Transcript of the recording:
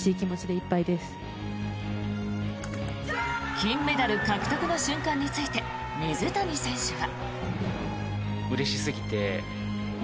金メダル獲得の瞬間について水谷選手は。